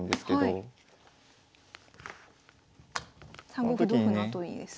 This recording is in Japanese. ３五歩同歩のあとにですね？